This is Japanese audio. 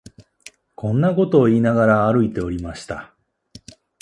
こんなことを言いながら、歩いておりました